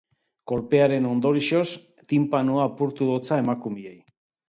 Kolpearen ondorioz, tinpanoa apurtu dio emakumeari.